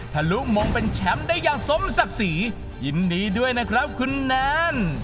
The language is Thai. ทะลุมงเป็นแชมป์ได้อย่างสมศักดิ์ศรียินดีด้วยนะครับคุณแนน